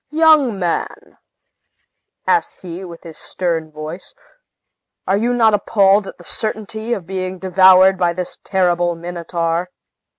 "Young man," asked he, with his stern voice, "are you not appalled at the certainty of being devoured by this terrible Minotaur?"